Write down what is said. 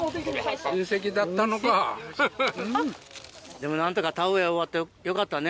でも何とか田植え終わってよかったね。